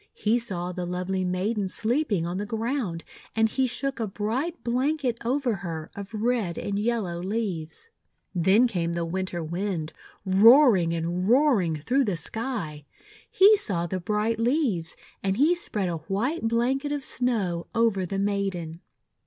He saw the lovely maiden sleeping on the ground; and he shook a bright blanket over her of red and yellow leaves. Then came the Winter Wind, roaring, roar ing through the sky. He saw the bright leaves; and he spread a white blanket of Snow over the maiden.